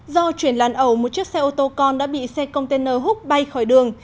do chuyển làn ẩu một chiếc xe ô tô con đã bị xe container hút bay khỏi đường